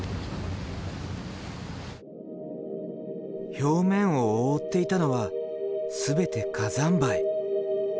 表面を覆っていたのは全て火山灰。